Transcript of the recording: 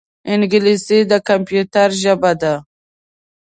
انګلیسي د کمپیوټر ژبه ده